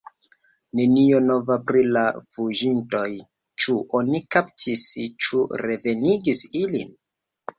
Nenio nova pri la fuĝintoj: ĉu oni kaptis, ĉu revenigis ilin?